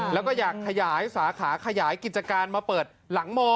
แล้วก็อยากขยายสาขาขยายกิจการมาเปิดหลังม